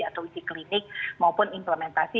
atau uji klinik maupun implementasi